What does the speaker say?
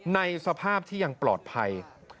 ในสภาพที่ยังปลอดภัย